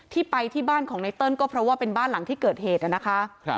ที่ไปที่บ้านของไนเติ้ลก็เพราะว่าเป็นบ้านหลังที่เกิดเหตุนะคะ